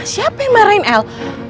siapa yang marahin el